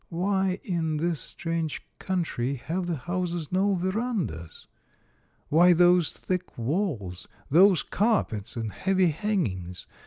Why in this, strange country have the houses no verandas? Why those thick walls, those carpets and heavy hangings?